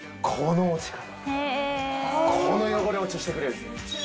この汚れ落ちをしてくれるんです。